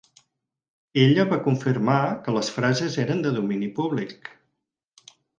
Ella va confirmar que les frases eren de domini públic.